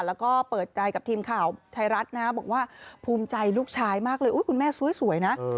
แล้วก็เปิดใจกับทีมข่าวไทยรัฐนะบอกว่าภูมิใจลูกชายมากเลยคุณแม่สวยนะ